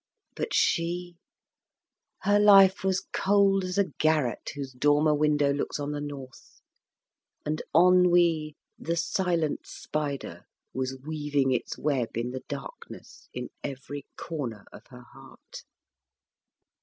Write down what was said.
But she her life was cold as a garret whose dormer window looks on the north, and ennui, the silent spider, was weaving its web in the darkness in every corner of her heart.